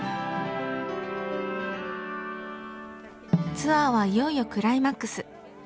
ツアーはいよいよクライマックス。